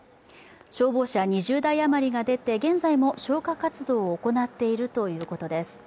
消防車２０台余りが出て、現在も消火活動を行っているということです。